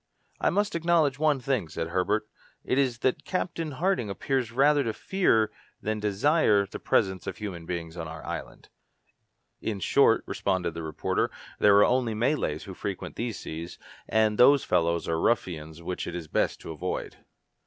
"I must acknowledge one thing," said Herbert, "it is that Captain Harding appears rather to fear than desire the presence of human beings on our island." "In short," responded the reporter, "there are only Malays who frequent these seas, and those fellows are ruffians which it is best to avoid."